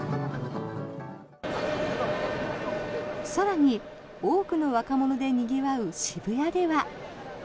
更に、多くの若者でにぎわう渋谷では。